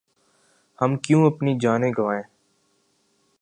ہم کیوں اپنی جانیں گنوائیں ۔